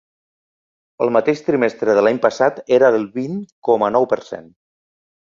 El mateix trimestre de l’any passat, era del vint coma nou per cent.